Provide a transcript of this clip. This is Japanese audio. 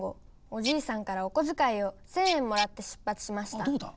おじいさんからおこづかいを１，０００円もらって出発しました。